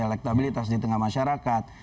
elektabilitas di tengah masyarakat